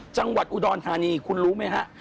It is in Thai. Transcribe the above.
จังหวัดอุดรธานีคุณรู้ไหมฮะ